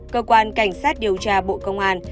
cơ quan cảnh sát điều tra bộ công an